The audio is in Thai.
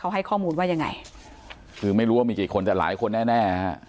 ให้ข้อมูลว่ายังไงคือไม่รู้ว่ามีกี่คนแต่หลายคนแน่แน่ฮะ